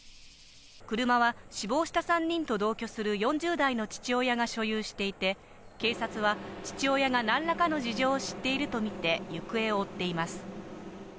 車は死亡した３人と同居する４０代の父親が所有していて、警察は父親が何らかの事情を知っているとみて行方を追っています。